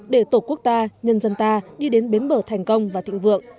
để tổ quốc ta nhân dân ta đi đến bến bờ thành công và thịnh vượng